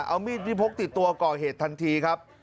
เอามีดที่พกติดตัวก่อเหตุทันทีครับ